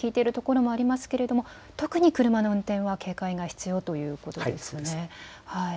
少しずつ水が引いているところもありますけれども特に車の運転、警戒が必要ということですね。